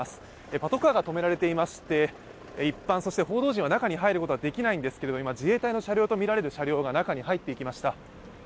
パトカーが止められていまして一般、そして報道陣は中に入ることができないんですが今、自衛隊とみられる車両が中に入っていきました。